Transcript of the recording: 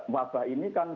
wabah ini kan